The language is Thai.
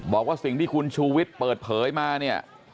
บอกว่าสิ่งที่คุณชูวิทย์เปิดเผยมาเนี่ย